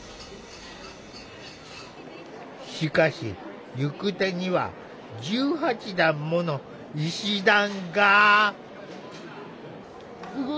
しかし行く手には１８段もの石段が。